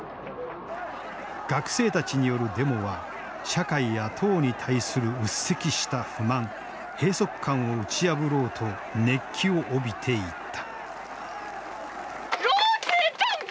学生たちによるデモは社会や党に対する鬱積した不満閉塞感を打ち破ろうと熱気を帯びていった。